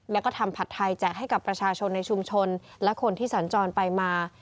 แล้วก็ทำผัดไทยแจกให้กับประชาชนในชุมชนและคนที่สัญจรไปมา